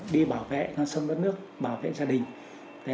đi bảo vệ con sông đất nước bảo vệ gia đình